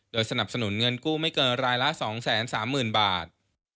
สนับสนุนเงินกู้ไม่เกินรายละ๒๓๐๐๐บาท